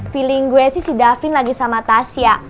feeling gue sih si davin lagi sama tasya